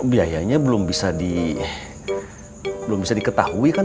biayanya belum bisa diketahui kan